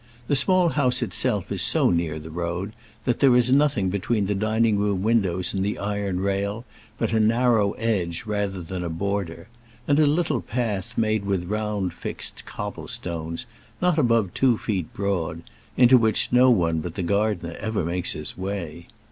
The Small House itself is so near the road that there is nothing between the dining room windows and the iron rail but a narrow edge rather than border, and a little path made with round fixed cobble stones, not above two feet broad, into which no one but the gardener ever makes his way.